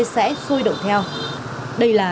sẽ xôi động theo đây là